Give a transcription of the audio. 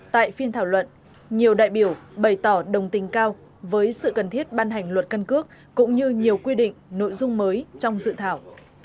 tại phiên thảo luận nhiều đại biểu bày tỏ đồng tình cao với sự cần thiết ban hành luật căn cước cũng như nhiều quy định nội dung mới trong dự thảo